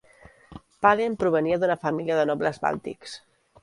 Pahlen provenia d'una família de nobles bàltics.